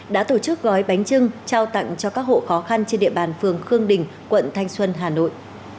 đã tổ chức gói bánh trưng trao tặng cho các hộ khó khăn trên địa bàn phường khương đình quận thanh xuân hà nội